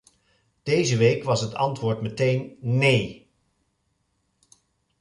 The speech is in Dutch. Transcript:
Deze week was het antwoord meteen "nee".